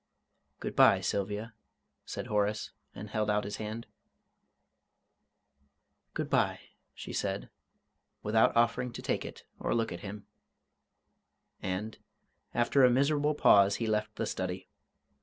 "Good bye, Sylvia," said Horace, and held out his hand. "Good bye," she said, without offering to take it or look at him and, after a miserable pause, he left the study.